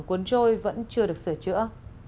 cuốn trôi vẫn chưa được sửa chữa